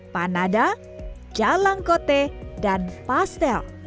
panada jalangkote dan pastel